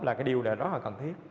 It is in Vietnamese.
là cái điều này rất là cần thiết